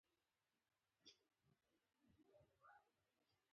اتفاق او اتحاد قوت دی.